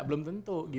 belum tentu gitu